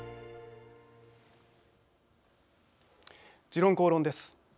「時論公論」です。